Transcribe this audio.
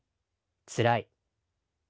つらい。